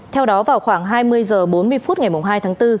theo đó vào khoảng hai mươi h bốn mươi phút ngày hai tháng bốn